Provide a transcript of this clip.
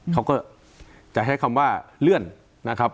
เขาก็จะใช้คำว่าเลื่อนนะครับ